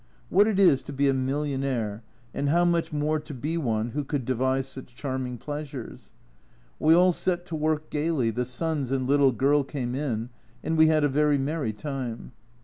What it is to be a millionaire, and how much more to be one who could devise such charming pleasures. We all set to work gaily, the sons and little girl came in, and we had a very merry time.